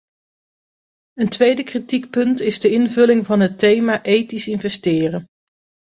Een tweede kritiekpunt is de invulling van het thema ethisch investeren.